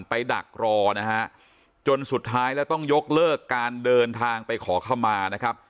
ดักรอนะฮะจนสุดท้ายแล้วต้องยกเลิกการเดินทางไปขอเข้ามานะครับ